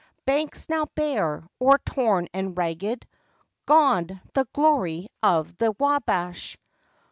Banks now bare, or torn and ragged. Gone, the glory of the Wabash!